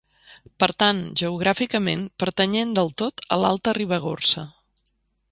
Per tant, geogràficament pertanyent del tot a l'Alta Ribagorça.